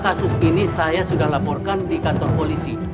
karena kasus ini saya sudah laporkan di kantor polisi